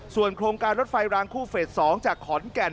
ส่วนโครงการรถไฟรางคู่เฟส๒จากขอนแก่น